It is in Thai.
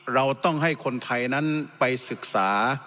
เราต้องให้คนไทยนั้นไปศึกษา